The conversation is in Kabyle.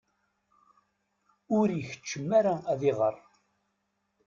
Ur ikeččem ara ad iɣer.